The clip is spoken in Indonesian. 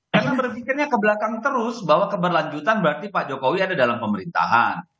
karena berpikirnya ke belakang terus bahwa keberlanjutan berarti pak jokowi ada dalam pemerintahan